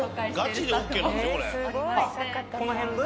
この辺で？